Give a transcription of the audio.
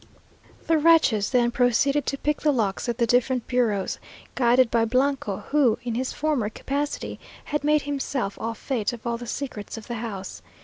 The wretches then proceeded to pick the locks of the different bureaux, guided by Blanco, who, in his former capacity, had made himself au fait of all the secrets of the house.